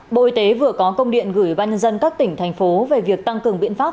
bộ y tế vừa có công điện gửi ban nhân dân các tỉnh thành phố về việc tăng cường biện pháp